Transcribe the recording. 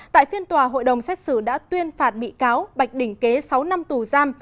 tại phiên tòa hội đồng xét xử đã tuyên phạt bị cáo bạch đình kế sáu năm tù giam